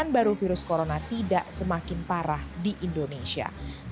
dan baru virus corona tidak semakin parah di indonesia